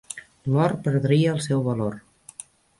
L'or perdria el seu valor.